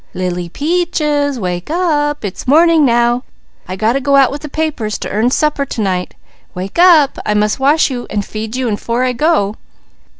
Lily Peaches, wake up! It's morning now. I got to go out with the papers to earn supper to night. Wake up! I must wash you and feed you 'fore I go."